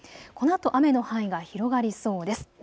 このあと雨の範囲が広がりそうです。